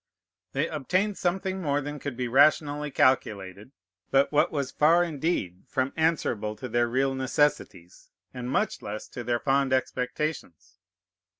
They obtained something more than could be rationally calculated, but what was far indeed from answerable to their real necessities, and much less to their fond expectations.